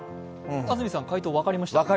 安住さん、解答分かりました？